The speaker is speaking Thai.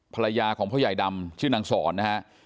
ภรรยาของพ่อใหญ่ดำชื่อนางสอนนะฮะ